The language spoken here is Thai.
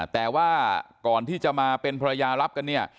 แต่ว่าก่อนที่จะมาเป็นภรรยารับกันเนี่ย